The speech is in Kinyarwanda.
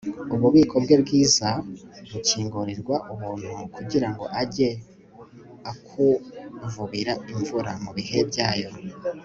Ububiko bwe bwiza bukingurirwa ubuntu kugira ngo ajye akuvubira imvura mu bihe byayo